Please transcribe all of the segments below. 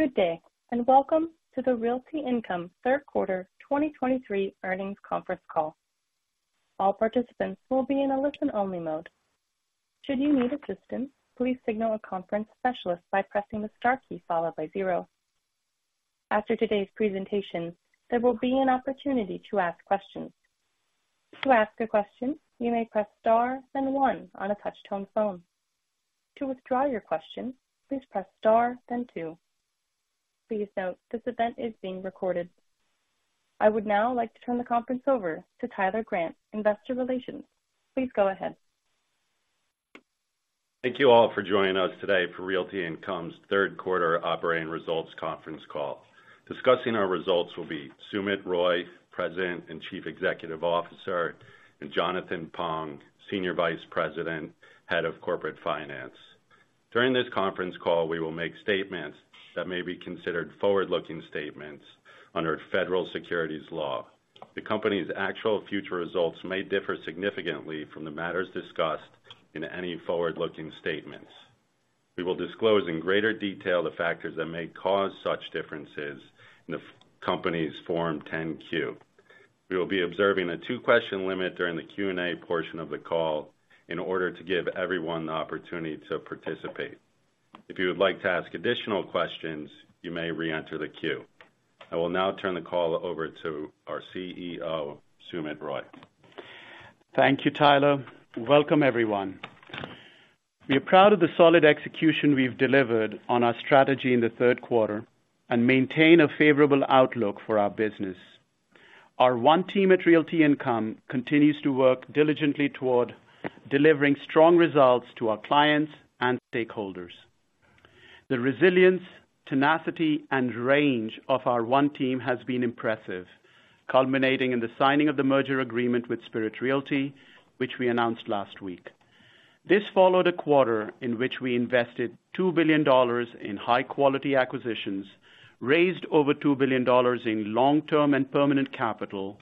Good day, and welcome to the Realty Income Q3 2023 Earnings Conference Call. All participants will be in a listen-only mode. Should you need assistance, please signal a conference specialist by pressing the star key followed by zero. After today's presentation, there will be an opportunity to ask questions. To ask a question, you may press star then one on a touch-tone phone. To withdraw your question, please press star then two. Please note, this event is being recorded. I would now like to turn the conference over to Tyler Grant, Investor Relations. Please go ahead. Thank you all for joining us today for Realty Income's Q3 operating results conference call. Discussing our results will be Sumit Roy, President and Chief Executive Officer, and Jonathan Pong, Senior Vice President, Head of Corporate Finance. During this conference call, we will make statements that may be considered forward-looking statements under federal securities law. The Company's actual future results may differ significantly from the matters discussed in any forward-looking statements. We will disclose in greater detail the factors that may cause such differences in the Company's Form 10-Q. We will be observing a two-question limit during the Q&A portion of the call in order to give everyone the opportunity to participate. If you would like to ask additional questions, you may reenter the queue. I will now turn the call over to our CEO, Sumit Roy. Thank you, Tyler. Welcome, everyone. We are proud of the solid execution we've delivered on our strategy in the Q3 and maintain a favorable outlook for our business. Our One Team at Realty Income continues to work diligently toward delivering strong results to our clients and stakeholders. The resilience, tenacity, and range of our One Team has been impressive, culminating in the signing of the merger agreement with Spirit Realty, which we announced last week. This followed a quarter in which we invested $2 billion in high-quality acquisitions, raised over $2 billion in long-term and permanent capital,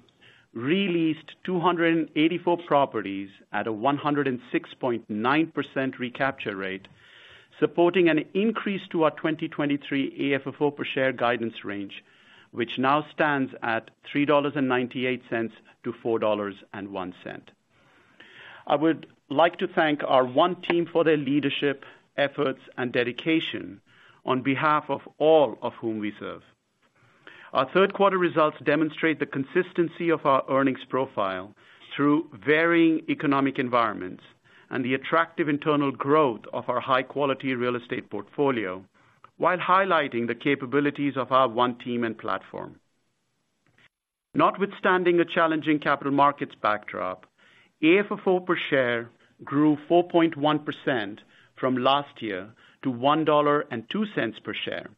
re-leased 284 properties at a 106.9% recapture rate, supporting an increase to our 2023 AFFO per share guidance range, which now stands at $3.98-$4.01. I would like to thank our One Team for their leadership, efforts and dedication on behalf of all of whom we serve. Our Q3 results demonstrate the consistency of our earnings profile through varying economic environments and the attractive internal growth of our high-quality real estate portfolio, while highlighting the capabilities of our One Team and platform. Notwithstanding a challenging capital markets backdrop, AFFO per share grew 4.1% from last year to $1.02 per share.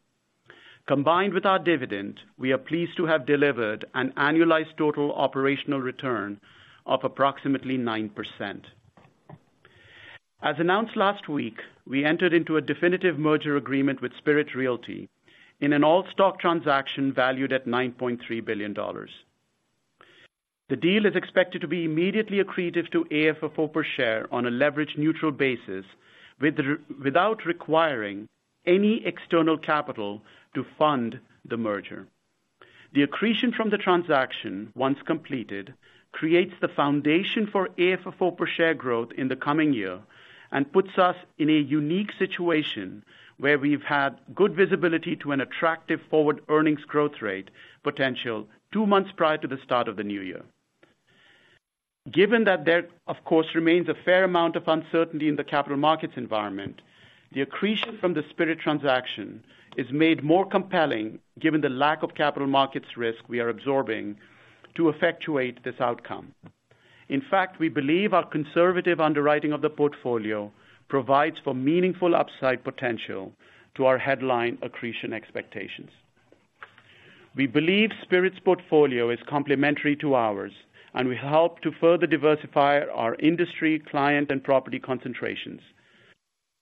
Combined with our dividend, we are pleased to have delivered an annualized total operational return of approximately 9%. As announced last week, we entered into a definitive merger agreement with Spirit Realty in an all-stock transaction valued at $9.3 billion. The deal is expected to be immediately accretive to AFFO per share on a leverage neutral basis, without requiring any external capital to fund the merger. The accretion from the transaction, once completed, creates the foundation for AFFO per share growth in the coming year and puts us in a unique situation where we've had good visibility to an attractive forward earnings growth rate potential two months prior to the start of the new year. Given that there, of course, remains a fair amount of uncertainty in the capital markets environment, the accretion from the Spirit transaction is made more compelling given the lack of capital markets risk we are absorbing to effectuate this outcome. In fact, we believe our conservative underwriting of the portfolio provides for meaningful upside potential to our headline accretion expectations. We believe Spirit's portfolio is complementary to ours and will help to further diversify our industry, client, and property concentrations.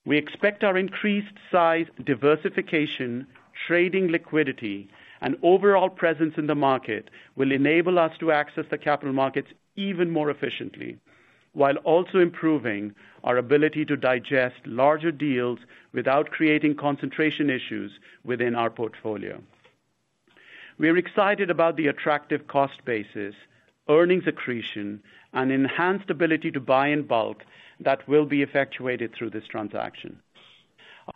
We expect our increased size, diversification, trading liquidity, and overall presence in the market will enable us to access the capital markets even more efficiently, while also improving our ability to digest larger deals without creating concentration issues within our portfolio. We are excited about the attractive cost basis, earnings accretion, and enhanced ability to buy in bulk that will be effectuated through this transaction.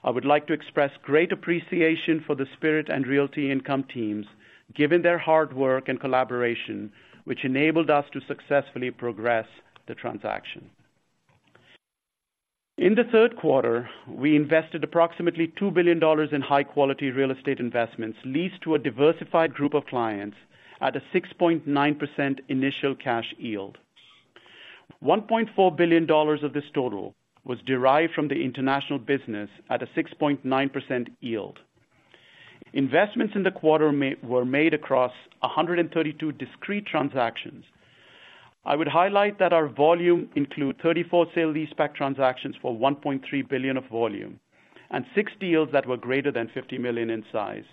I would like to express great appreciation for the Spirit and Realty Income teams, given their hard work and collaboration, which enabled us to successfully progress the transaction. In the Q3, we invested approximately $2 billion in high-quality real estate investments, leased to a diversified group of clients at a 6.9% initial cash yield. $1.4 billion of this total was derived from the international business at a 6.9% yield. Investments in the quarter were made across 132 discrete transactions. I would highlight that our volume include 34 sale-leaseback transactions for $1.3 billion of volume and six deals that were greater than $50 million in size.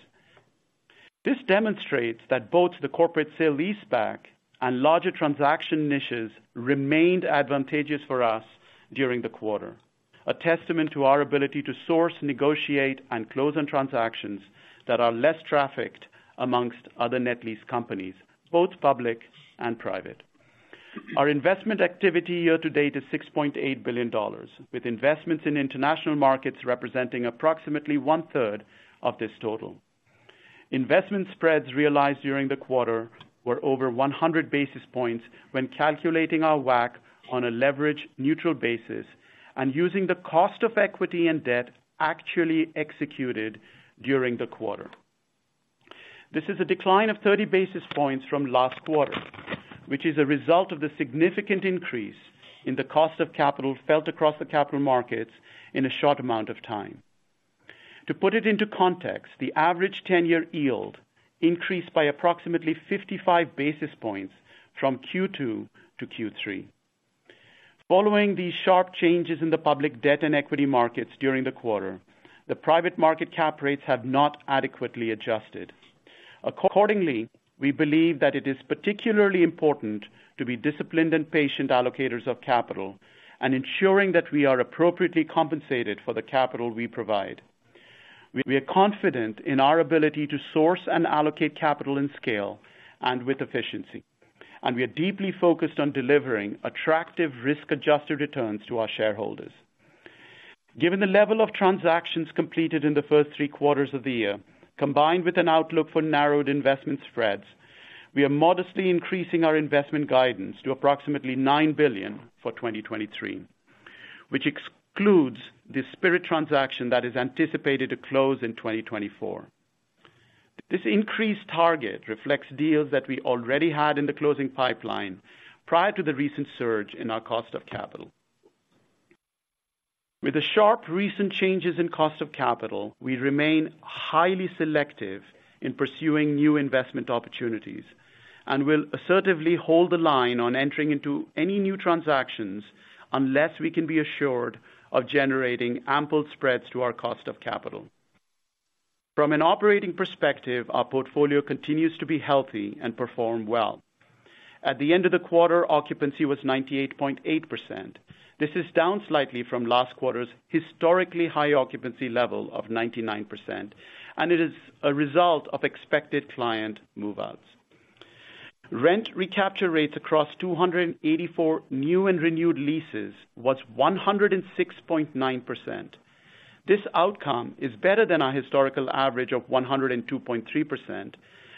This demonstrates that both the corporate sale-leaseback and larger transaction niches remained advantageous for us during the quarter. A testament to our ability to source, negotiate, and close on transactions that are less trafficked amongst other net lease companies, both public and private. Our investment activity year-to-date is $6.8 billion, with investments in international markets representing approximately one-third of this total. Investment spreads realized during the quarter were over 100 basis points when calculating our WACC on a leverage neutral basis and using the cost of equity and debt actually executed during the quarter. This is a decline of 30 basis points from last quarter, which is a result of the significant increase in the cost of capital felt across the capital markets in a short amount of time. To put it into context, the average 10-year yield increased by approximately 55 basis points from Q2 to Q3. Following these sharp changes in the public debt and equity markets during the quarter, the private market cap rates have not adequately adjusted. Accordingly, we believe that it is particularly important to be disciplined and patient allocators of capital and ensuring that we are appropriately compensated for the capital we provide. We are confident in our ability to source and allocate capital in scale and with efficiency, and we are deeply focused on delivering attractive risk-adjusted returns to our shareholders. Given the level of transactions completed in the first three quarters of the year, combined with an outlook for narrowed investment spreads, we are modestly increasing our investment guidance to approximately $9 billion for 2023, which excludes the Spirit transaction that is anticipated to close in 2024. This increased target reflects deals that we already had in the closing pipeline prior to the recent surge in our cost of capital. With the sharp recent changes in cost of capital, we remain highly selective in pursuing new investment opportunities and will assertively hold the line on entering into any new transactions unless we can be assured of generating ample spreads to our cost of capital. From an operating perspective, our portfolio continues to be healthy and perform well. At the end of the quarter, occupancy was 98.8%. This is down slightly from last quarter's historically high occupancy level of 99%, and it is a result of expected client move-outs. Rent recapture rates across 284 new and renewed leases was 106.9%. This outcome is better than our historical average of 102.3%,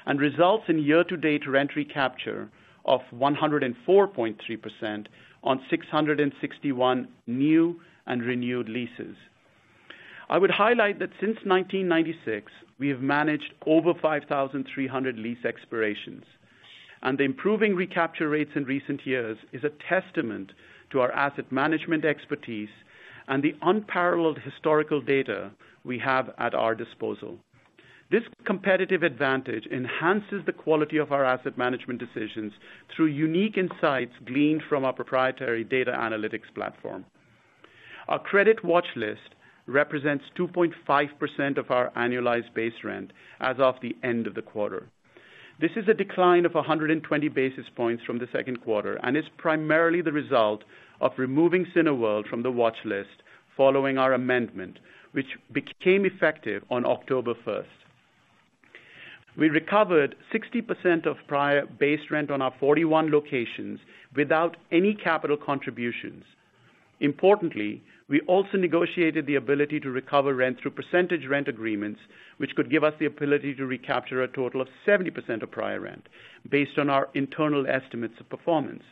and results in year-to-date rent recapture of 104.3% on 661 new and renewed leases. I would highlight that since 1996, we have managed over 5,300 lease expirations, and the improving recapture rates in recent years is a testament to our asset management expertise and the unparalleled historical data we have at our disposal. This competitive advantage enhances the quality of our asset management decisions through unique insights gleaned from our proprietary data analytics platform. Our credit watch list represents 2.5% of our annualized base rent as of the end of the quarter. This is a decline of 100 basis points from the Q2, and is primarily the result of removing Cineworld from the watchlist following our amendment, which became effective on October 1. We recovered 60% of prior base rent on our 41 locations without any capital contributions. Importantly, we also negotiated the ability to recover rent through percentage rent agreements, which could give us the ability to recapture a total of 70% of prior rent based on our internal estimates of performance.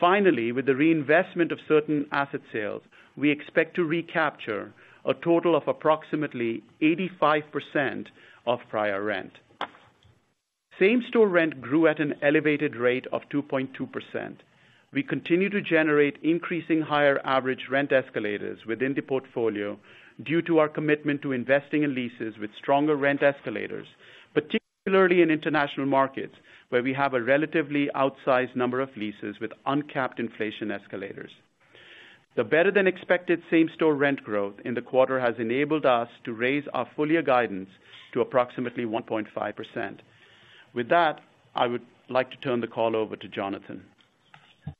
Finally, with the reinvestment of certain asset sales, we expect to recapture a total of approximately 85% of prior rent. Same-store rent grew at an elevated rate of 2.2%. We continue to generate increasing higher average rent escalators within the portfolio due to our commitment to investing in leases with stronger rent escalators, particularly in international markets, where we have a relatively outsized number of leases with uncapped inflation escalators. The better-than-expected same-store rent growth in the quarter has enabled us to raise our full-year guidance to approximately 1.5%. With that, I would like to turn the call over to Jonathan.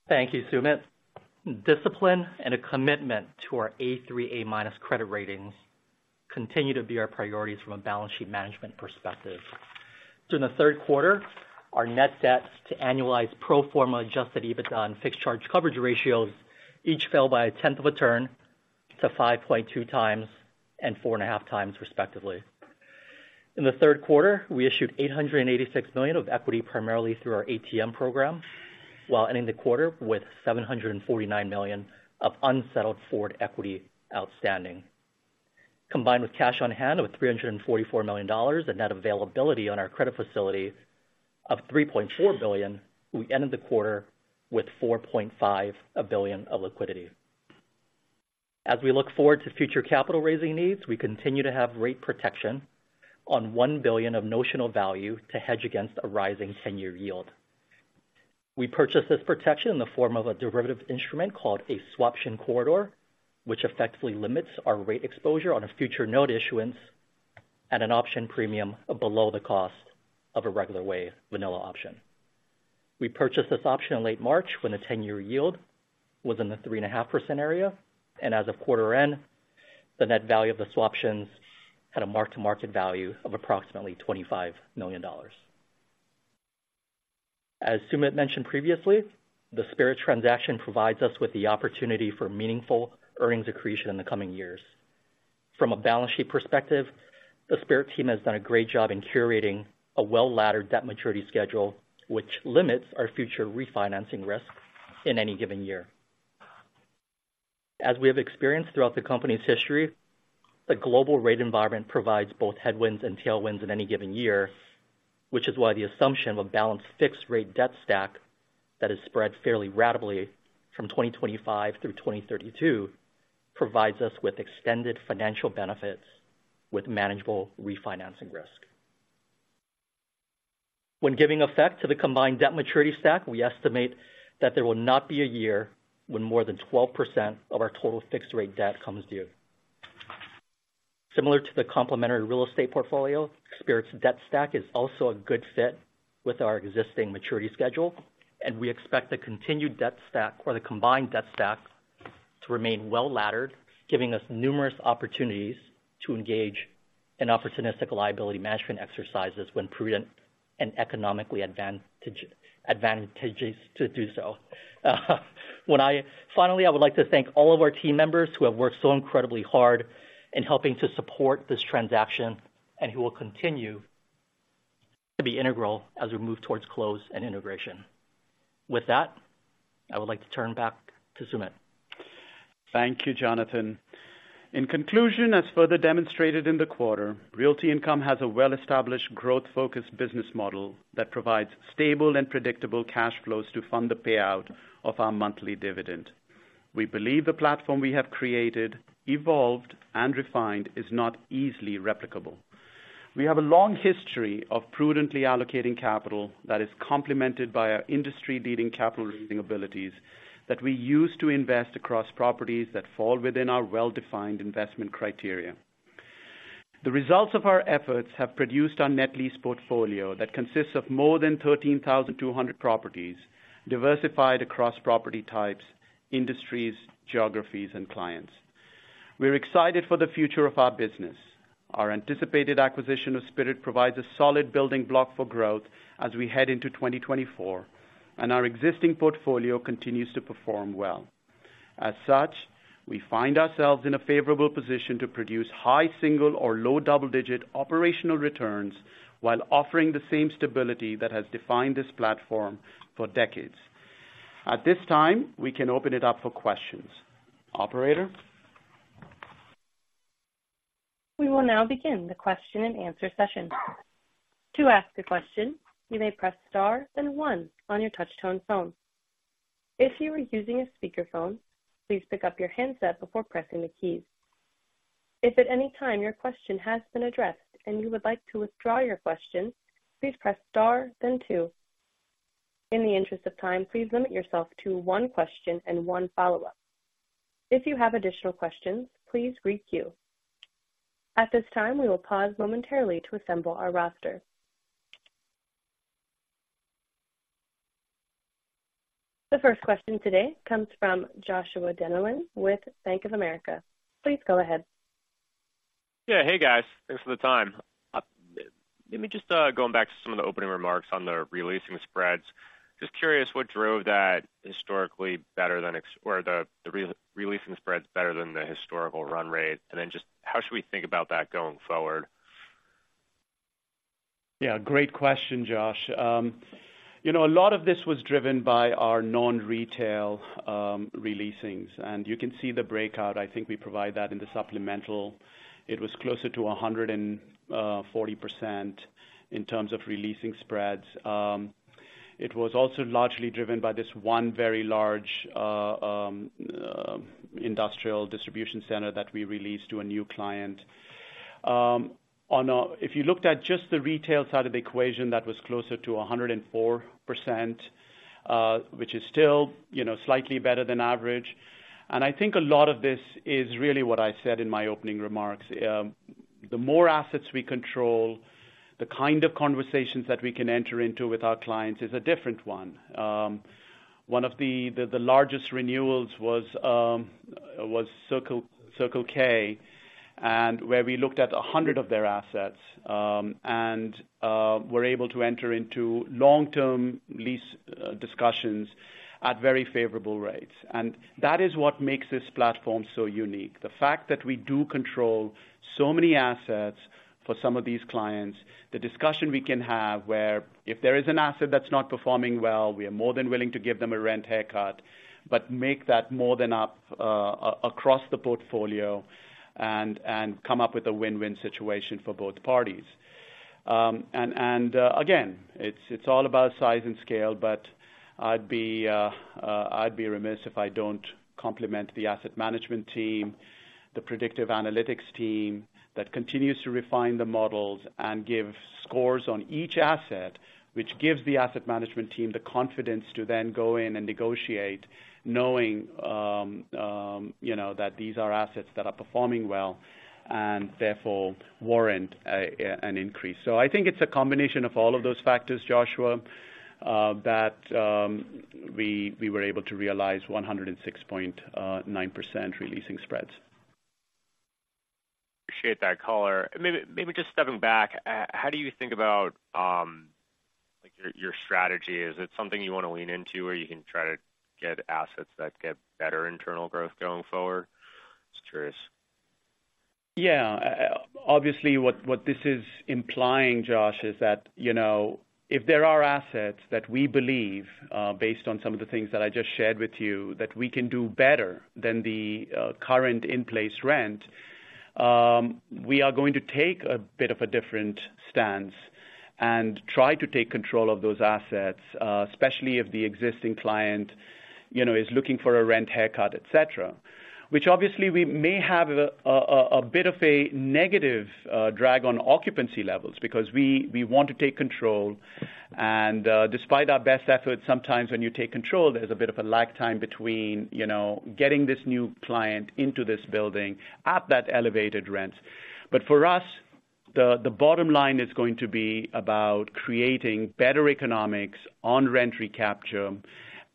Thank you, Sumit. Discipline and a commitment to our A3/A- credit ratings continue to be our priorities from a balance sheet management perspective. So in the Q3, our net debt to annualized pro forma adjusted EBITDA and fixed charge coverage ratios each fell by a tenth of a turn to 5.2 times and 4.5 times, respectively. In the Q3, we issued $886 million of equity, primarily through our ATM program, while ending the quarter with $749 million of unsettled forward equity outstanding. Combined with cash on hand of $344 million and net availability on our credit facility of $3.4 billion, we ended the quarter with $4.5 billion of liquidity. As we look forward to future capital raising needs, we continue to have rate protection on $1 billion of notional value to hedge against a rising ten-year yield. We purchased this protection in the form of a derivative instrument called a Swaption Corridor, which effectively limits our rate exposure on a future bond issuance at an option premium below the cost of a regular plain vanilla option. We purchased this option in late March, when the ten-year yield was in the 3.5% area, and as of quarter end, the net value of the swaptions had a mark-to-market value of approximately $25 million. As Sumit mentioned previously, the Spirit transaction provides us with the opportunity for meaningful earnings accretion in the coming years. From a balance sheet perspective, the Spirit team has done a great job in curating a well-laddered debt maturity schedule, which limits our future refinancing risk in any given year. As we have experienced throughout the company's history, the global rate environment provides both headwinds and tailwinds in any given year, which is why the assumption of a balanced, fixed rate debt stack that is spread fairly ratably from 2025 through 2032, provides us with extended financial benefits with manageable refinancing risk. When giving effect to the combined debt maturity stack, we estimate that there will not be a year when more than 12% of our total fixed rate debt comes due. Similar to the complementary real estate portfolio, Spirit's debt stack is also a good fit with our existing maturity schedule, and we expect the continued debt stack, or the combined debt stack, to remain well-laddered, giving us numerous opportunities to engage in opportunistic liability management exercises when prudent and economically advantageous to do so. Finally, I would like to thank all of our team members who have worked so incredibly hard in helping to support this transaction and who will continue to be integral as we move towards close and integration. With that, I would like to turn back to Sumit. Thank you, Jonathan. In conclusion, as further demonstrated in the quarter, Realty Income has a well-established, growth-focused business model that provides stable and predictable cash flows to fund the payout of our monthly dividend. We believe the platform we have created, evolved, and refined is not easily replicable. We have a long history of prudently allocating capital that is complemented by our industry-leading capital raising abilities, that we use to invest across properties that fall within our well-defined investment criteria. The results of our efforts have produced our net lease portfolio that consists of more than 13,200 properties, diversified across property types, industries, geographies, and clients. We're excited for the future of our business. Our anticipated acquisition of Spirit provides a solid building block for growth as we head into 2024, and our existing portfolio continues to perform well. As such, we find ourselves in a favorable position to produce high single- or low double-digit operational returns, while offering the same stability that has defined this platform for decades. At this time, we can open it up for questions. Operator? We will now begin the question-and-answer session. To ask a question, you may press star, then one on your touchtone phone. If you are using a speakerphone, please pick up your handset before pressing the keys. If at any time your question has been addressed and you would like to withdraw your question, please press star then two. In the interest of time, please limit yourself to one question and one follow-up. If you have additional questions, please requeue. At this time, we will pause momentarily to assemble our roster. The first question today comes from Joshua Dennerlein with Bank of America. Please go ahead. Yeah. Hey, guys. Thanks for the time. Let me just, going back to some of the opening remarks on the re-leasing spreads. Just curious, what drove that historically better than or the re-leasing spreads better than the historical run rate. And then just how should we think about that going forward? Yeah, great question, Josh. You know, a lot of this was driven by our non-retail re-leasings, and you can see the breakout. I think we provide that in the supplemental. It was closer to 100% in terms of re-leasing spreads. It was also largely driven by this one very large industrial distribution center that we re-leased to a new client. On a, if you looked at just the retail side of the equation, that was closer to 104%, which is still, you know, slightly better than average. And I think a lot of this is really what I said in my opening remarks. The more assets we control, the kind of conversations that we can enter into with our clients is a different one. One of the largest renewals was Circle K, and where we looked at 100 of their assets, and were able to enter into long-term lease discussions at very favorable rates. That is what makes this platform so unique. The fact that we do control so many assets for some of these clients, the discussion we can have where if there is an asset that's not performing well, we are more than willing to give them a rent haircut, but make that more than up across the portfolio and come up with a win-win situation for both parties... Again, it's all about size and scale, but I'd be remiss if I don't compliment the asset management team, the predictive analytics team that continues to refine the models and give scores on each asset, which gives the asset management team the confidence to then go in and negotiate, knowing you know that these are assets that are performing well and therefore warrant an increase. So I think it's a combination of all of those factors, Joshua, that we were able to realize 106.9% releasing spreads. Appreciate that color. Maybe, maybe just stepping back, how do you think about, like, your, your strategy? Is it something you want to lean into, or you can try to get assets that get better internal growth going forward? It's curious. Yeah. Obviously, what this is implying, Josh, is that, you know, if there are assets that we believe, based on some of the things that I just shared with you, that we can do better than the current in-place rent, we are going to take a bit of a different stance and try to take control of those assets, especially if the existing client, you know, is looking for a rent haircut, et cetera. Which obviously, we may have a bit of a negative drag on occupancy levels because we want to take control. And despite our best efforts, sometimes when you take control, there's a bit of a lag time between, you know, getting this new client into this building at that elevated rent. But for us, the bottom line is going to be about creating better economics on rent recapture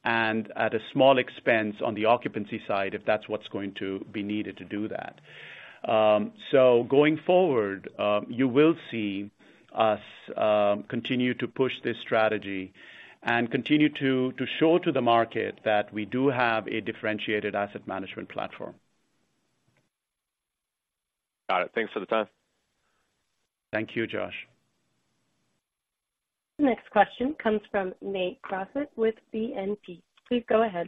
and at a small expense on the occupancy side, if that's what's going to be needed to do that. So going forward, you will see us continue to push this strategy and continue to show to the market that we do have a differentiated asset management platform. Got it. Thanks for the time. Thank you, Josh. The next question comes from Nate Crossett with BNP. Please go ahead.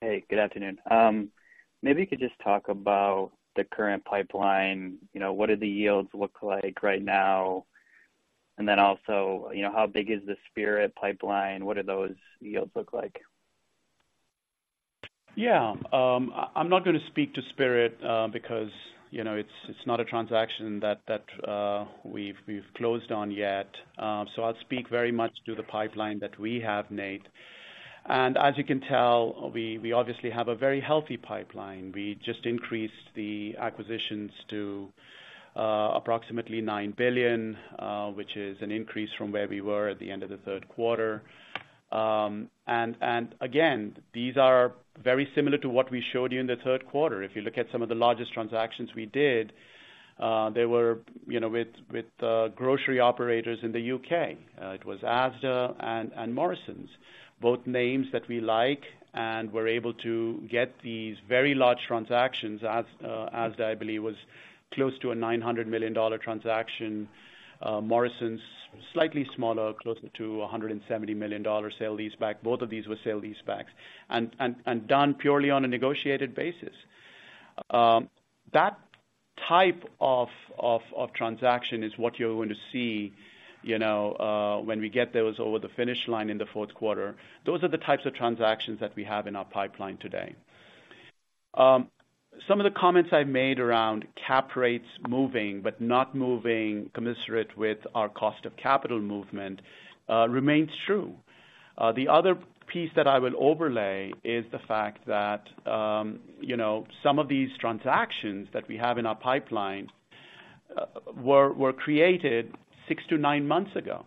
Hey, good afternoon. Maybe you could just talk about the current pipeline, you know, what do the yields look like right now? And then also, you know, how big is the Spirit pipeline? What do those yields look like? Yeah. I'm not going to speak to Spirit, because, you know, it's not a transaction that we've closed on yet. So I'll speak very much to the pipeline that we have, Nate. And as you can tell, we obviously have a very healthy pipeline. We just increased the acquisitions to approximately $9 billion, which is an increase from where we were at the end of the Q3. And again, these are very similar to what we showed you in the Q3. If you look at some of the largest transactions we did, they were, you know, with grocery operators in the U.K. It was Asda and Morrisons, both names that we like and were able to get these very large transactions. Asda, I believe, was close to a $900 million transaction. Morrisons, slightly smaller, closer to a $170 million sale-leaseback. Both of these were sale-leasebacks, and done purely on a negotiated basis. That type of transaction is what you're going to see, you know, when we get those over the finish line in the Q4. Those are the types of transactions that we have in our pipeline today. Some of the comments I made around cap rates moving, but not moving commensurate with our cost of capital movement, remains true. The other piece that I would overlay is the fact that, you know, some of these transactions that we have in our pipeline were created six to nine months ago.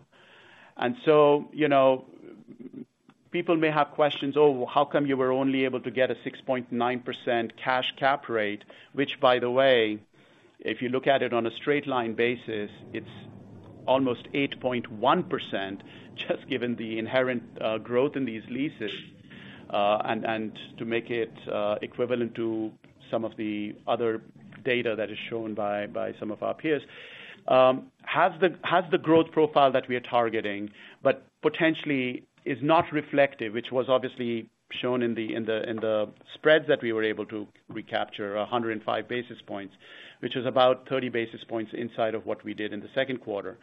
So, you know, people may have questions, "Oh, how come you were only able to get a 6.9% cash cap rate?" Which, by the way, if you look at it on a straight line basis, it's almost 8.1%, just given the inherent growth in these leases. And to make it equivalent to some of the other data that is shown by some of our peers. Has the growth profile that we are targeting, but potentially is not reflective, which was obviously shown in the spreads that we were able to recapture 105 basis points, which is about 30 basis points inside of what we did in the Q2.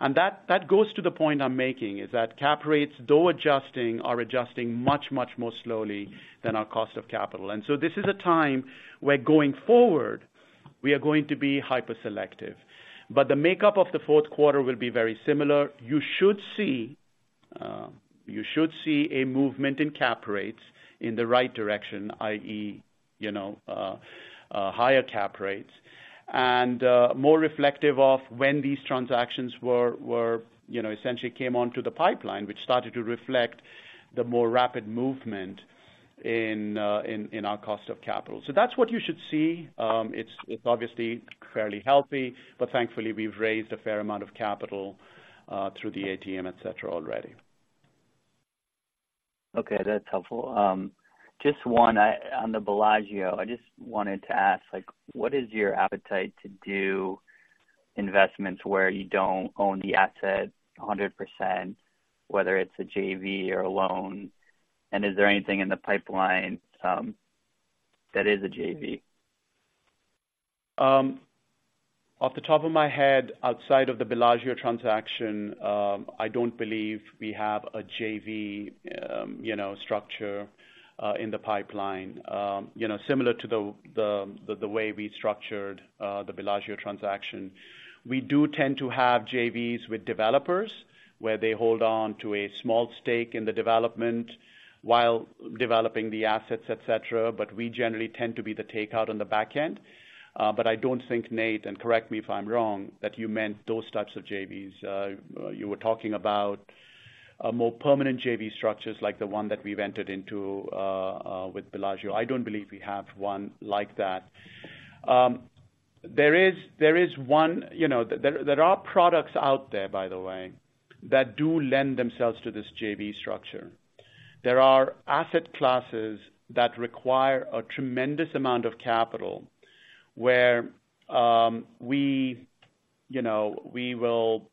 And that goes to the point I'm making, is that cap rates, though adjusting, are adjusting much, much more slowly than our cost of capital. And so this is a time where, going forward, we are going to be hyper selective. But the makeup of the Q4 will be very similar. You should see a movement in cap rates in the right direction, i.e., you know, higher cap rates. And more reflective of when these transactions were you know, essentially came onto the pipeline, which started to reflect the more rapid movement in our cost of capital. So that's what you should see. It's obviously fairly healthy, but thankfully, we've raised a fair amount of capital through the ATM, et cetera, already. Okay, that's helpful. Just one, on the Bellagio, I just wanted to ask, like, what is your appetite to do investments where you don't own the asset 100%, whether it's a JV or a loan? And is there anything in the pipeline, that is a JV? Off the top of my head, outside of the Bellagio transaction, I don't believe we have a JV, you know, structure in the pipeline. You know, similar to the way we structured the Bellagio transaction. We do tend to have JVs with developers, where they hold on to a small stake in the development while developing the assets, et cetera, but we generally tend to be the takeout on the back end. But I don't think, Nate, and correct me if I'm wrong, that you meant those types of JVs. You were talking about a more permanent JV structures like the one that we've entered into with Bellagio. I don't believe we have one like that. You know, there are products out there, by the way, that do lend themselves to this JV structure. There are asset classes that require a tremendous amount of capital, where, we, you know, we will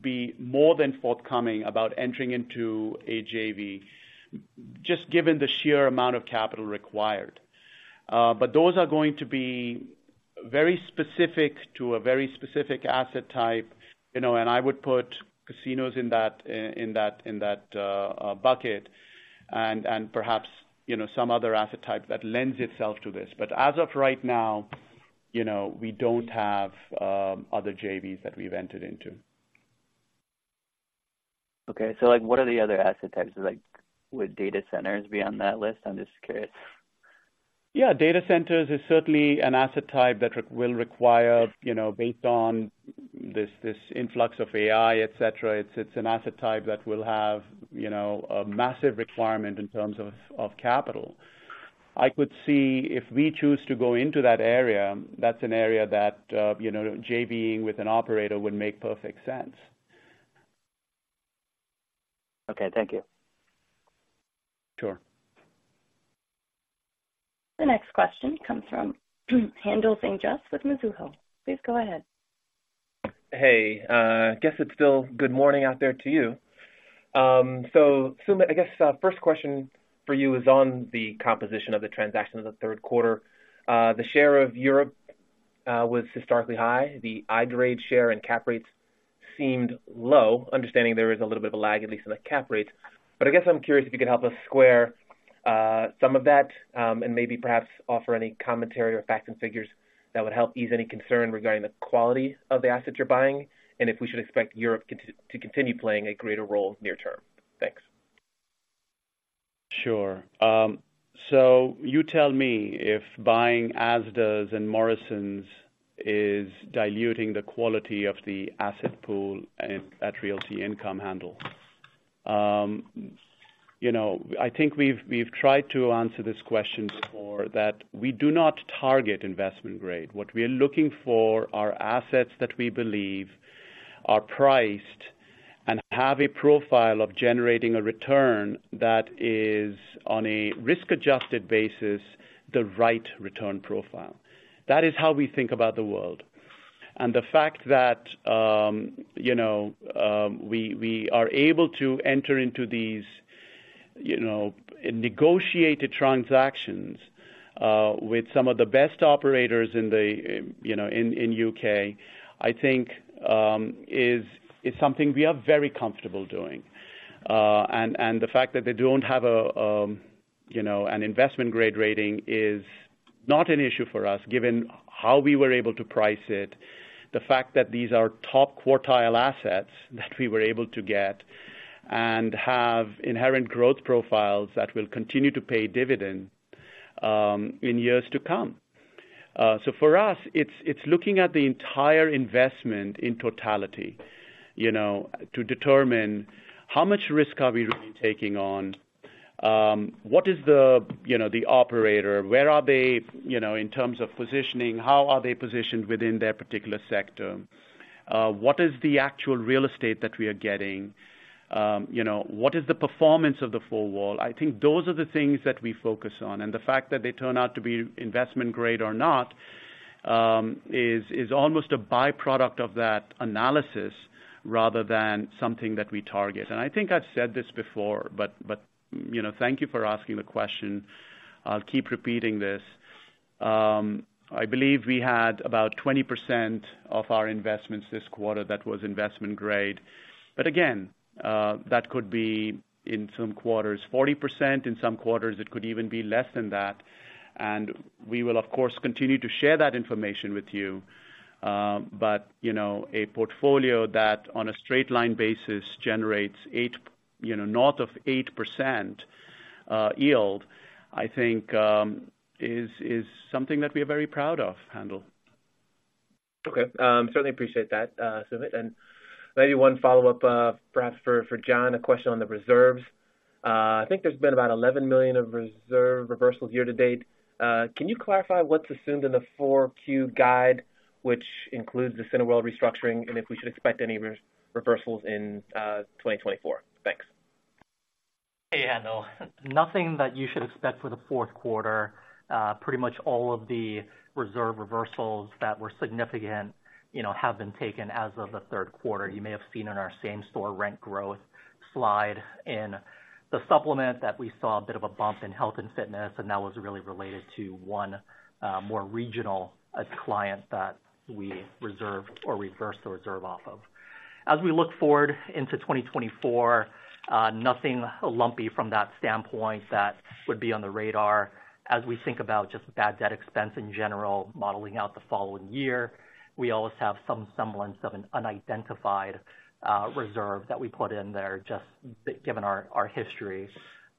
be more than forthcoming about entering into a JV, just given the sheer amount of capital required. But those are going to be very specific to a very specific asset type. You know, and I would put casinos in that bucket and perhaps, you know, some other asset type that lends itself to this. But as of right now, you know, we don't have other JVs that we've entered into. Okay. So, like, what are the other asset types? Like, would data centers be on that list? I'm just curious. Yeah, data centers is certainly an asset type that will require, you know, based on this, this influx of AI, et cetera, it's an asset type that will have, you know, a massive requirement in terms of capital. I could see if we choose to go into that area, that's an area that, you know, JV-ing with an operator would make perfect sense. Okay, thank you. Sure. The next question comes from Haendel St. Juste with Mizuho. Please go ahead. Hey, guess it's still good morning out there to you. So, Sumit, I guess, first question for you is on the composition of the transaction in the Q3. The share of Europe was historically high. The investment-grade share and cap rates seemed low, understanding there is a little bit of a lag, at least in the cap rates. But I guess I'm curious if you could help us square some of that, and maybe perhaps offer any commentary or facts and figures that would help ease any concern regarding the quality of the assets you're buying, and if we should expect Europe to continue playing a greater role near term. Thanks. Sure. So you tell me if buying Asda and Morrisons is diluting the quality of the asset pool at Realty Income, Handel. You know, I think we've tried to answer this question before, that we do not target investment grade. What we are looking for are assets that we believe are priced and have a profile of generating a return that is, on a risk-adjusted basis, the right return profile. That is how we think about the world. And the fact that, you know, we are able to enter into these, you know, negotiated transactions with some of the best operators in the, you know, in U.K., I think, is something we are very comfortable doing. And the fact that they don't have a, you know, an investment grade rating is not an issue for us, given how we were able to price it, the fact that these are top quartile assets that we were able to get and have inherent growth profiles that will continue to pay dividend in years to come. So for us, it's looking at the entire investment in totality, you know, to determine how much risk are we really taking on? What is the, you know, the operator, where are they, you know, in terms of positioning, how are they positioned within their particular sector? What is the actual real estate that we are getting? You know, what is the performance of the four wall? I think those are the things that we focus on, and the fact that they turn out to be investment grade or not, is almost a byproduct of that analysis rather than something that we target. And I think I've said this before, but, you know, thank you for asking the question. I'll keep repeating this. I believe we had about 20% of our investments this quarter, that was investment grade. But again, that could be in some quarters, 40%, in some quarters, it could even be less than that. And we will, of course, continue to share that information with you. But, you know, a portfolio that, on a straight line basis, generates eight, you know, north of 8%, yield, I think, is something that we are very proud of, Handel. Okay. Certainly appreciate that, Sumit. And maybe one follow-up, perhaps for John, a question on the reserves. I think there's been about $11 million of reserve reversals year to date. Can you clarify what's assumed in the Q4 guide, which includes the Cineworld restructuring, and if we should expect any reversals in 2024? Thanks. Hey, Haendal, nothing that you should expect for the Q4. Pretty much all of the reserve reversals that were significant, you know, have been taken as of the Q3. You may have seen in our same store rent growth slide in the supplement that we saw a bit of a bump in health and fitness, and that was really related to one more regional client that we reserved or reversed the reserve off of. As we look forward into 2024, nothing lumpy from that standpoint that would be on the radar. As we think about just bad debt expense in general, modeling out the following year, we always have some semblance of an unidentified reserve that we put in there, just given our history.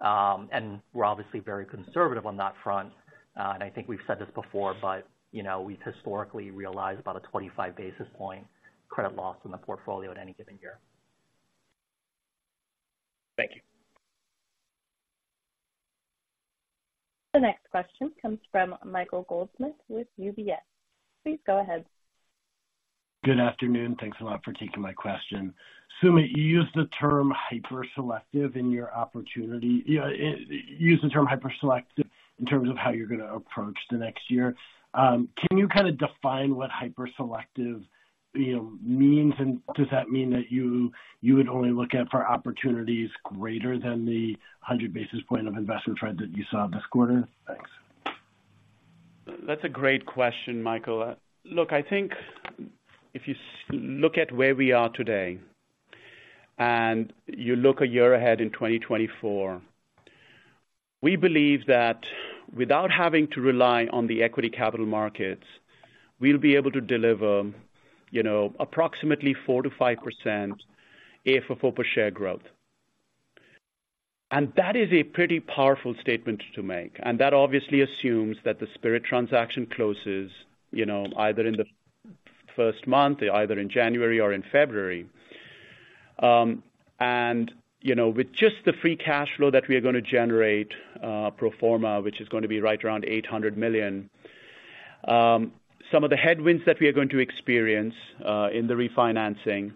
And we're obviously very conservative on that front. And I think we've said this before, but, you know, we've historically realized about a 25 basis points credit loss in the portfolio at any given year. Thank you. The next question comes from Michael Goldsmith with UBS. Please go ahead. Good afternoon. Thanks a lot for taking my question. Sumit, you used the term hyper-selective in your opportunity. Yeah, you used the term hyper-selective in terms of how you're gonna approach the next year. Can you kind of define what hyper-selective, you know, means, and does that mean that you, you would only look out for opportunities greater than the 100 basis points of investment spread that you saw this quarter? Thanks. That's a great question, Michael. Look, I think if you look at where we are today and you look a year ahead in 2024, we believe that without having to rely on the equity capital markets, we'll be able to deliver, you know, approximately 4%-5% AFFO per share growth. And that is a pretty powerful statement to make, and that obviously assumes that the Spirit transaction closes, you know, either in the first month, either in January or in February. And, you know, with just the free cash flow that we are gonna generate, pro forma, which is going to be right around $800 million, some of the headwinds that we are going to experience in the refinancing,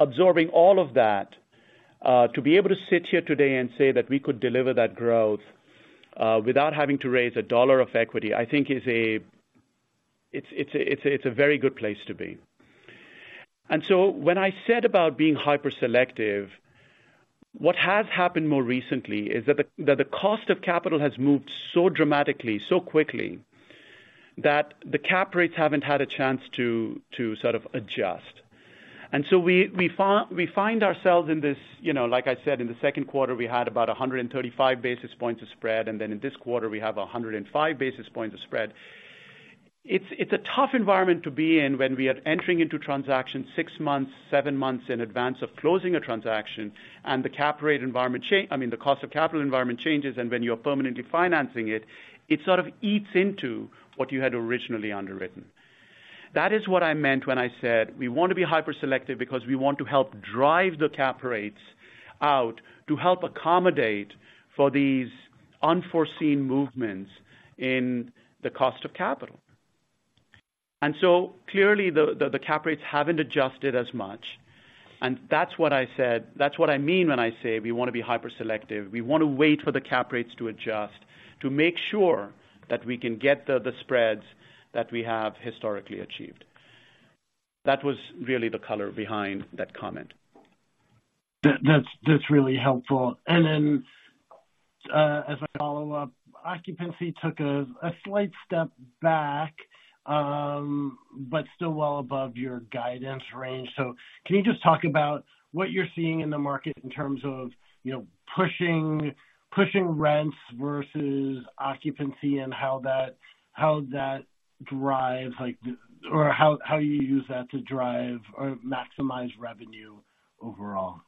absorbing all of that, to be able to sit here today and say that we could deliver that growth without having to raise a dollar of equity, I think is a... It's, it's a, it's a very good place to be. And so when I said about being hyper-selective, what has happened more recently is that the, that the cost of capital has moved so dramatically, so quickly, that the cap rates haven't had a chance to, to sort of adjust. So we find ourselves in this, you know, like I said, in the Q2, we had about 135 basis points of spread, and then in this quarter, we have 105 basis points of spread. It's a tough environment to be in when we are entering into transactions six months, seven months in advance of closing a transaction, and the cap rate environment. I mean, the cost of capital environment changes, and when you are permanently financing it, it sort of eats into what you had originally underwritten. That is what I meant when I said, we want to be hyper-selective because we want to help drive the cap rates out to help accommodate for these unforeseen movements in the cost of capital. So clearly, the cap rates haven't adjusted as much, and that's what I said. That's what I mean when I say we want to be hyper-selective. We want to wait for the cap rates to adjust, to make sure that we can get the spreads that we have historically achieved. That was really the color behind that comment. That's really helpful. And then, as a follow-up, occupancy took a slight step back, but still well above your guidance range. So can you just talk about what you're seeing in the market in terms of, you know, pushing rents versus occupancy and how that drives, like, or how you use that to drive or maximize revenue overall?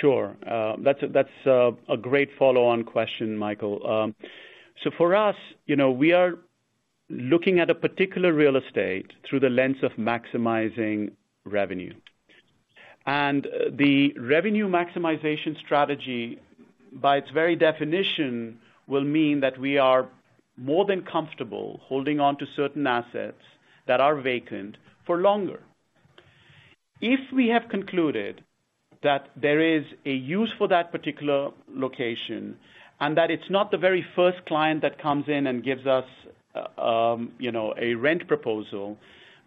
Sure. That's a great follow-on question, Michael. So for us, you know, we are looking at a particular real estate through the lens of maximizing revenue. And the revenue maximization strategy, by its very definition, will mean that we are more than comfortable holding on to certain assets that are vacant for longer. If we have concluded that there is a use for that particular location, and that it's not the very first client that comes in and gives us, you know, a rent proposal,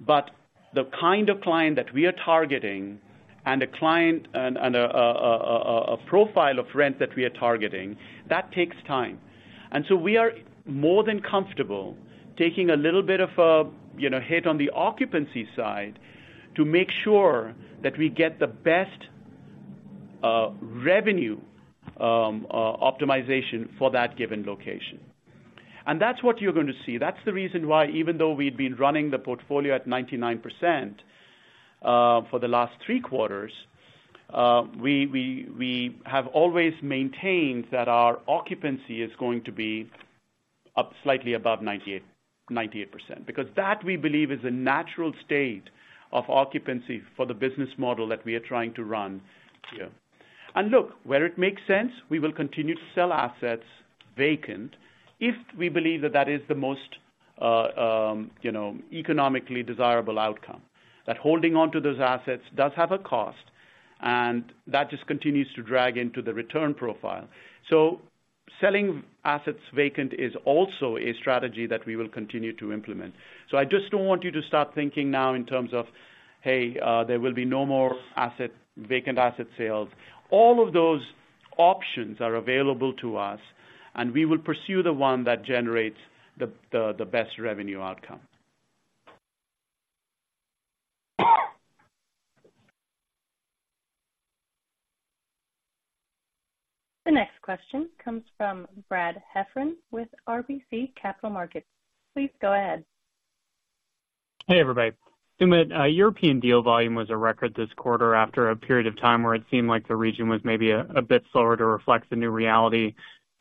but the kind of client that we are targeting and a client and a profile of rent that we are targeting, that takes time. And so we are more than comfortable taking a little bit of a, you know, hit on the occupancy side to make sure that we get the best revenue optimization for that given location. And that's what you're going to see. That's the reason why, even though we've been running the portfolio at 99% for the last three quarters, we have always maintained that our occupancy is going to be up slightly above 98, 98%. Because that, we believe, is a natural state of occupancy for the business model that we are trying to run here. And look, where it makes sense, we will continue to sell assets vacant if we believe that that is the most you know, economically desirable outcome. That holding onto those assets does have a cost, and that just continues to drag into the return profile. So selling assets vacant is also a strategy that we will continue to implement. So I just don't want you to start thinking now in terms of, hey, there will be no more asset, vacant asset sales. All of those options are available to us, and we will pursue the one that generates the best revenue outcome. The next question comes from Brad Heffern with RBC Capital Markets. Please go ahead. Hey, everybody. Sumit, European deal volume was a record this quarter after a period of time where it seemed like the region was maybe a bit slower to reflect the new reality.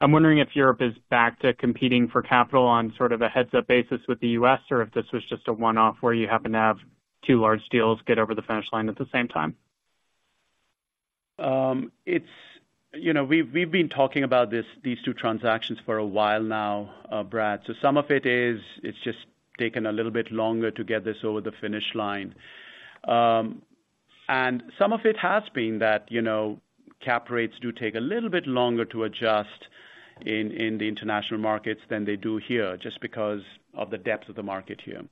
I'm wondering if Europe is back to competing for capital on sort of a heads-up basis with the U.S., or if this was just a one-off where you happen to have two large deals get over the finish line at the same time? It's, you know, we've been talking about this, these two transactions for a while now, Brad. So some of it is, it's just taken a little bit longer to get this over the finish line. And some of it has been that, you know, cap rates do take a little bit longer to adjust in the international markets than they do here, just because of the depth of the market here.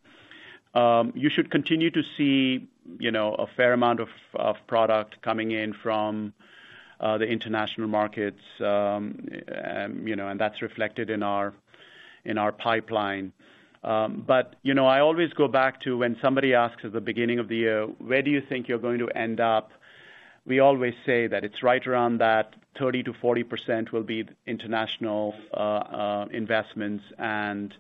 You should continue to see, you know, a fair amount of product coming in from the international markets. And, you know, that's reflected in our pipeline. But, you know, I always go back to when somebody asks at the beginning of the year: Where do you think you're going to end up? We always say that it's right around that 30%-40% will be international investments and,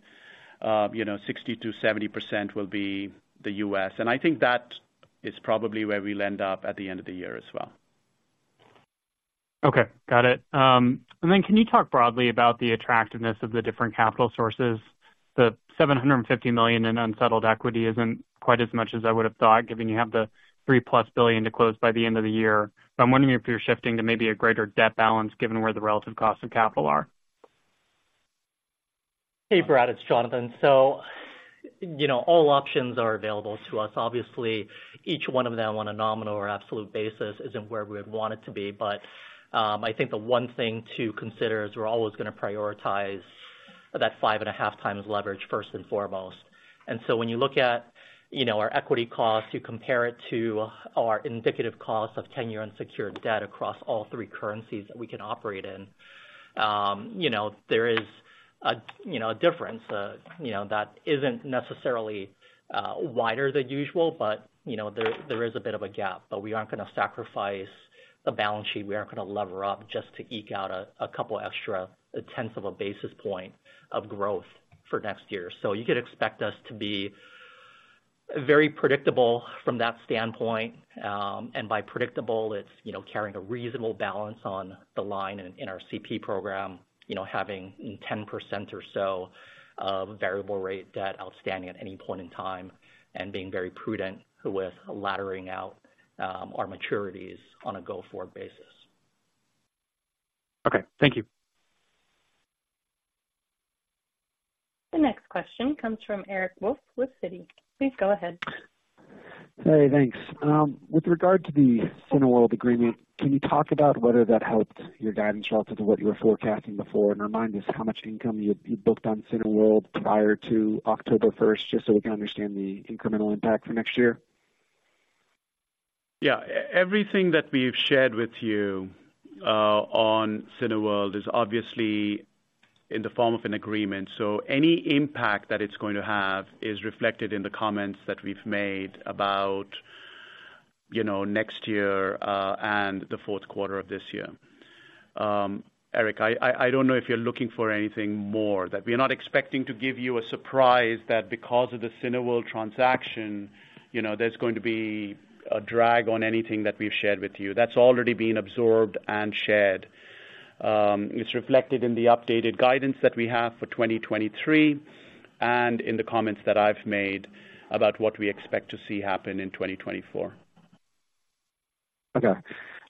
you know, 60%-70% will be the U.S. I think that is probably where we'll end up at the end of the year as well. Okay, got it. And then can you talk broadly about the attractiveness of the different capital sources? The $750 million in unsettled equity isn't quite as much as I would have thought, given you have the $3+ billion to close by the end of the year. So I'm wondering if you're shifting to maybe a greater debt balance given where the relative costs of capital are. Hey, Brad, it's Jonathan. So, you know, all options are available to us. Obviously, each one of them, on a nominal or absolute basis, isn't where we would want it to be. But I think the one thing to consider is we're always gonna prioritize that 5.5 times leverage, first and foremost. And so when you look at, you know, our equity costs, you compare it to our indicative cost of 10-year unsecured debt across all three currencies that we can operate in. You know, there is a, you know, a difference that isn't necessarily wider than usual, but, you know, there, there is a bit of a gap. But we aren't gonna sacrifice the balance sheet. We aren't gonna lever up just to eke out a couple extra tenths of a basis point of growth for next year. So you could expect us to be very predictable from that standpoint. And by predictable, it's, you know, carrying a reasonable balance on the line in our CP program, you know, having 10% or so of variable rate debt outstanding at any point in time, and being very prudent with laddering out our maturities on a go-forward basis. Okay, thank you. The next question comes from Eric Wolfe with Citi. Please go ahead. Hey, thanks. With regard to the Cineworld agreement, can you talk about whether that helped your guidance relative to what you were forecasting before? Remind us how much income you, you booked on Cineworld prior to October first, just so we can understand the incremental impact for next year. Yeah. Everything that we've shared with you on Cineworld is obviously in the form of an agreement, so any impact that it's going to have is reflected in the comments that we've made about, you know, next year, and the Q4 of this year. Eric, I don't know if you're looking for anything more. That we're not expecting to give you a surprise that because of the Cineworld transaction, you know, there's going to be a drag on anything that we've shared with you. That's already been absorbed and shared. It's reflected in the updated guidance that we have for 2023, and in the comments that I've made about what we expect to see happen in 2024. Okay.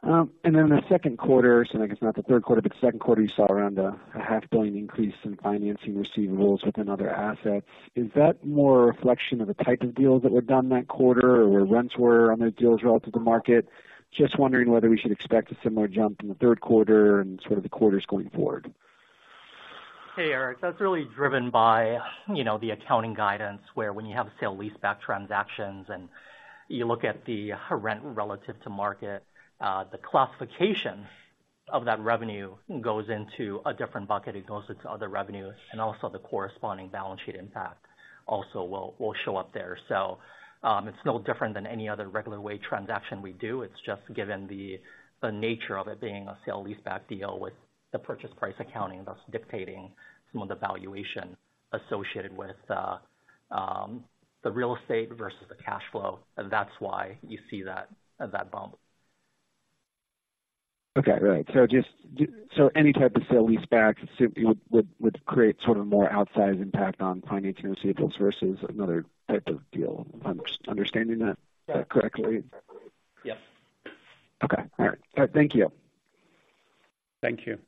And then in the Q2, so I guess not the Q3, but the Q2, you saw around a $500 million increase in financing receivables with another asset. Is that more a reflection of the type of deals that were done that quarter, or where rents were on those deals relative to market? Just wondering whether we should expect a similar jump in the Q3 and sort of the quarters going forward. Hey, Eric. That's really driven by, you know, the accounting guidance, where when you have sale-leaseback transactions and you look at the rent relative to market, the classification of that revenue goes into a different bucket, it goes into other revenues, and also the corresponding balance sheet impact also will show up there. So, it's no different than any other regular REIT transaction we do. It's just given the nature of it being a sale-leaseback deal with the purchase price accounting, thus dictating some of the valuation associated with the real estate versus the cash flow, and that's why you see that bump. Okay, right. So any type of sale-leaseback, so, you know, would create sort of a more outsized impact on financing receivables versus another type of deal. I'm just understanding that correctly? Yes. Okay. All right. All right, thank you. Thank you.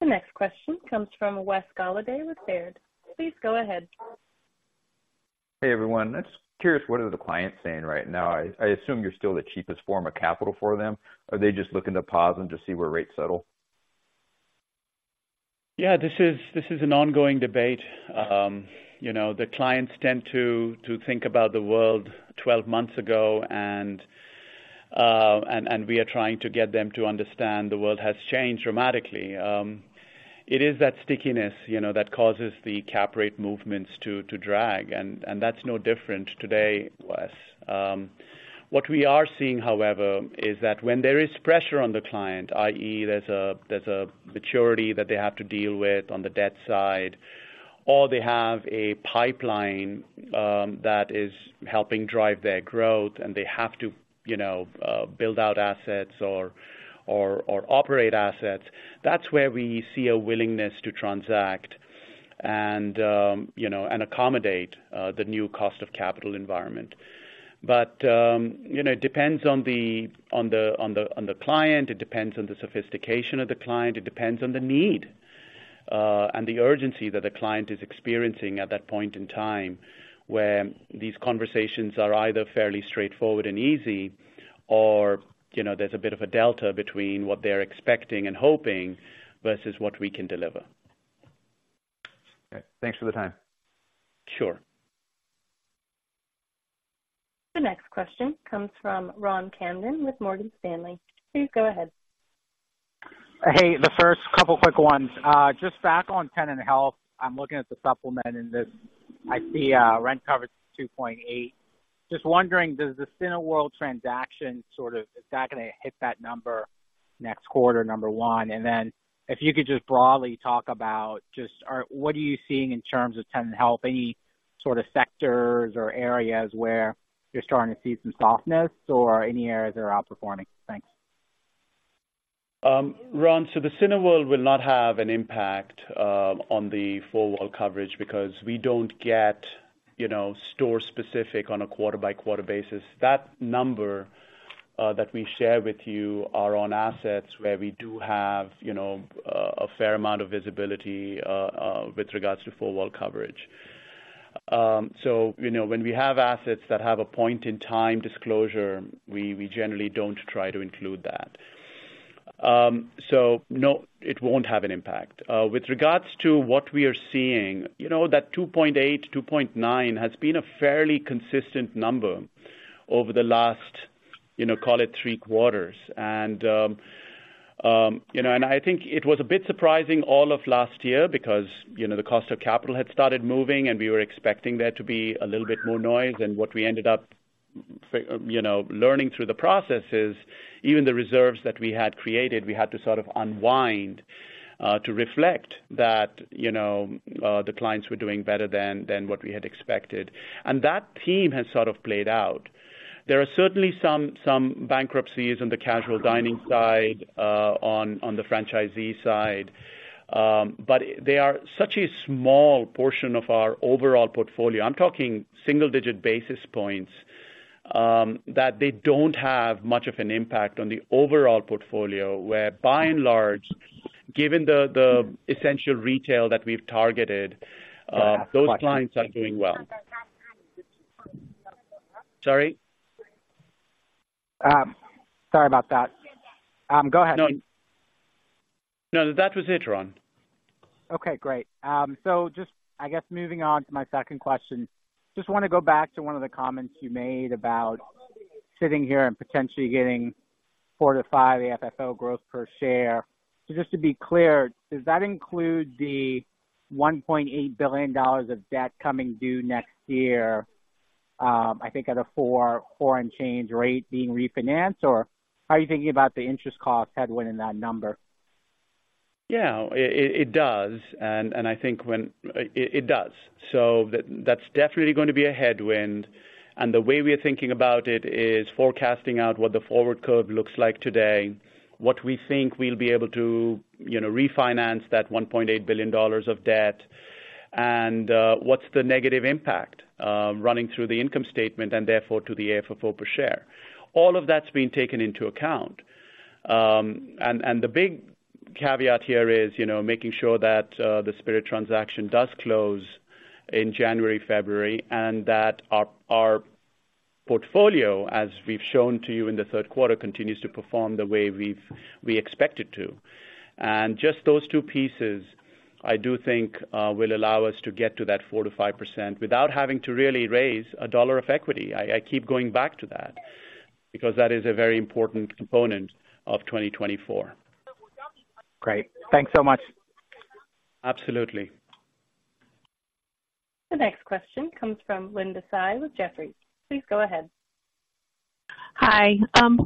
The next question comes from Wes Golladay with Baird. Please go ahead. Hey, everyone. I'm just curious, what are the clients saying right now? I assume you're still the cheapest form of capital for them. Are they just looking to pause and just see where rates settle? Yeah, this is, this is an ongoing debate. You know, the clients tend to think about the world 12 months ago, and we are trying to get them to understand the world has changed dramatically. It is that stickiness, you know, that causes the cap rate movements to drag, and that's no different today, Wes. What we are seeing, however, is that when there is pressure on the client, i.e., there's a maturity that they have to deal with on the debt side, or they have a pipeline that is helping drive their growth, and they have to, you know, build out assets or operate assets. That's where we see a willingness to transact and, you know, and accommodate the new cost of capital environment. But, you know, it depends on the client. It depends on the sophistication of the client. It depends on the need and the urgency that the client is experiencing at that point in time, where these conversations are either fairly straightforward and easy or, you know, there's a bit of a delta between what they're expecting and hoping versus what we can deliver. Okay, thanks for the time. Sure. The next question comes from Ron Kamdem with Morgan Stanley. Please go ahead. Hey, the first couple quick ones. Just back on tenant health. I'm looking at the supplement in this. I see rent coverage 2.8. Just wondering, does the Cineworld transaction sort of-is that gonna hit that number next quarter, number one? And then if you could just broadly talk about just are—what are you seeing in terms of tenant health, any sort of sectors or areas where you're starting to see some softness or any areas that are outperforming? Thanks. Ron, so the Cineworld will not have an impact on the full world coverage because we don't get, you know, store specific on a quarter-by-quarter basis. That number that we share with you are on assets where we do have, you know, a fair amount of visibility with regards to four wall coverage. So, you know, when we have assets that have a point-in-time disclosure, we generally don't try to include that. So no, it won't have an impact. With regards to what we are seeing, you know, that 2.8, 2.9 has been a fairly consistent number over the last, you know, call it three quarters. You know, and I think it was a bit surprising all of last year because, you know, the cost of capital had started moving, and we were expecting there to be a little bit more noise. What we ended up, you know, learning through the process is, even the reserves that we had created, we had to sort of unwind to reflect that, you know, the clients were doing better than what we had expected. That theme has sort of played out. There are certainly some bankruptcies on the casual dining side, on the franchisee side, but they are such a small portion of our overall portfolio. I'm talking single digit basis points that they don't have much of an impact on the overall portfolio, where, by and large, given the essential retail that we've targeted, those clients are doing well. Sorry? Sorry about that. Go ahead. No, that was it, Ron. Okay, great. So just, I guess, moving on to my second question. Just wanna go back to one of the comments you made about sitting here and potentially getting four to five AFFO growth per share. So just to be clear, does that include the $1.8 billion of debt coming due next year, I think at a 4.4 and change rate being refinanced, or how are you thinking about the interest cost headwind in that number? Yeah, it does. And I think, it does. So that's definitely going to be a headwind. And the way we are thinking about it is forecasting out what the forward curve looks like today, what we think we'll be able to, you know, refinance that $1.8 billion of debt, and what's the negative impact running through the income statement and therefore to the AFFO per share. All of that's being taken into account. And the big caveat here is, you know, making sure that the Spirit transaction does close in January, February, and that our portfolio, as we've shown to you in the Q3, continues to perform the way we expect it to. Just those two pieces, I do think, will allow us to get to that 4%-5% without having to really raise a dollar of equity. I, I keep going back to that because that is a very important component of 2024. Great. Thanks so much. Absolutely. The next question comes from Linda Tsai with Jefferies. Please go ahead. Hi.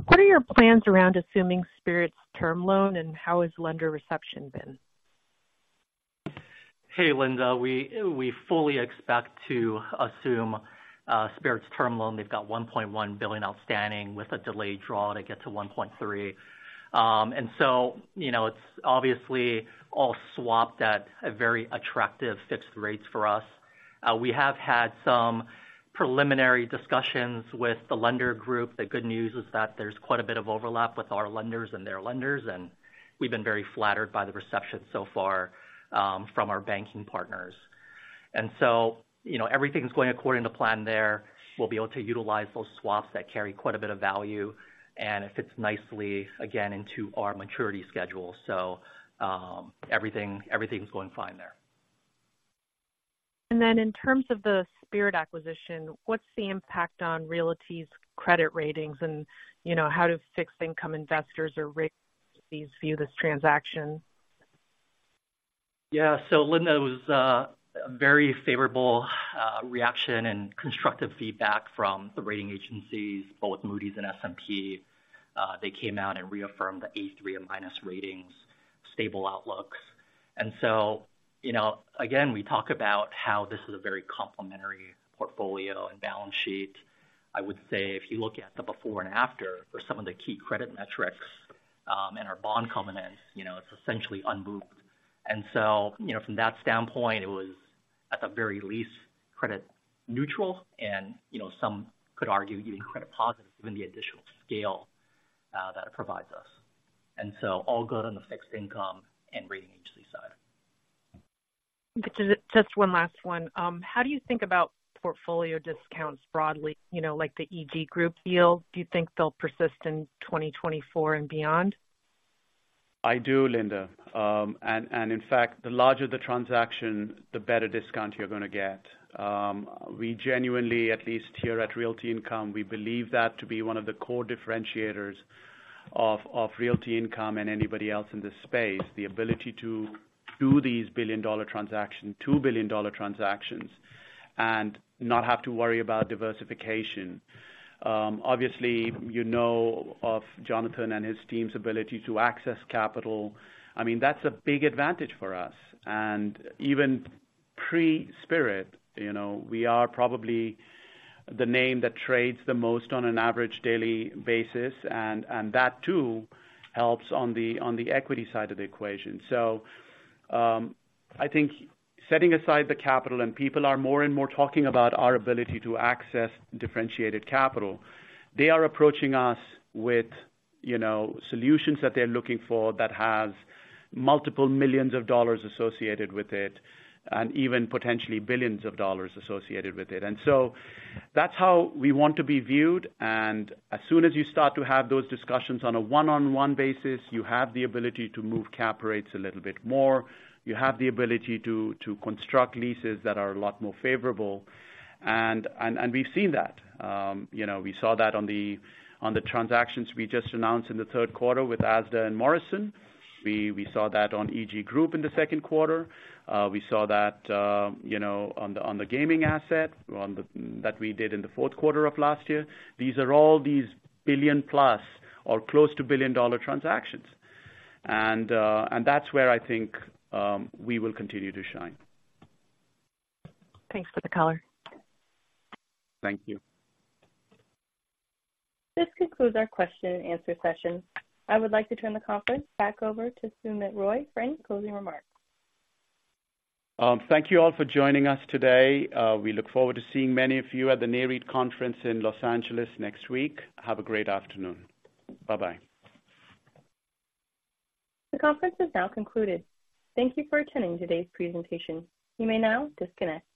What are your plans around assuming Spirit's term loan, and how has lender reception been? Hey, Linda. We fully expect to assume Spirit's term loan. They've got $1.1 billion outstanding with a delayed draw to get to $1.3 billion. And so, you know, it's obviously all swapped at a very attractive fixed rates for us. We have had some preliminary discussions with the lender group. The good news is that there's quite a bit of overlap with our lenders and their lenders, and we've been very flattered by the reception so far from our banking partners. And so, you know, everything's going according to plan there. We'll be able to utilize those swaps that carry quite a bit of value, and it fits nicely, again, into our maturity schedule. So, everything's going fine there. Then in terms of the Spirit acquisition, what's the impact on Realty's credit ratings? And, you know, how do fixed income investors or raters view this transaction? Yeah. So Linda, it was a very favorable reaction and constructive feedback from the rating agencies, both Moody's and S&P. They came out and reaffirmed the A3 and A- ratings, stable outlooks. And so, you know, again, we talk about how this is a very complementary portfolio and balance sheet. I would say, if you look at the before and after for some of the key credit metrics and our bond covenants, you know, it's essentially unmoved. And so, you know, from that standpoint, it was, at the very least, credit neutral and, you know, some could argue even credit positive, given the additional scale that it provides us. And so all good on the fixed income and rating agency side. Just one last one. How do you think about portfolio discounts broadly? You know, like the EG Group deal, do you think they'll persist in 2024 and beyond? I do, Linda. In fact, the larger the transaction, the better discount you're gonna get. We genuinely, at least here at Realty Income, we believe that to be one of the core differentiators of Realty Income and anybody else in this space, the ability to do these billion-dollar transaction, two billion-dollar transactions, and not have to worry about diversification. Obviously, you know of Jonathan and his team's ability to access capital. I mean, that's a big advantage for us. And even pre-Spirit, you know, we are probably the name that trades the most on an average daily basis, and that too, helps on the equity side of the equation. So, I think setting aside the capital and people are more and more talking about our ability to access differentiated capital, they are approaching us with, you know, solutions that they're looking for that have $ multiple millions associated with it, and even potentially $ billions associated with it. And so that's how we want to be viewed. And as soon as you start to have those discussions on a one-on-one basis, you have the ability to move cap rates a little bit more. You have the ability to construct leases that are a lot more favorable. And we've seen that. You know, we saw that on the transactions we just announced in the Q3 with Asda and Morrisons. We saw that on EG Group in the Q2. We saw that, you know, on the gaming asset, on the-that we did in the Q4 of last year. These are all these billion-plus or close to billion-dollar transactions. And, and that's where I think we will continue to shine. Thanks for the color. Thank you. This concludes our question-and-answer session. I would like to turn the conference back over to Sumit Roy for, closing remarks. Thank you all for joining us today. We look forward to seeing many of you at the Nareit Conference in Los Angeles next week. Have a great afternoon. Bye-bye. The conference is now concluded. Thank you for attending today's presentation. You may now disconnect.